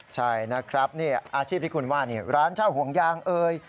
ใช่นะครับนี่อาชีพที่คุณว่าร้านเช่าห่วงยางเอ่ย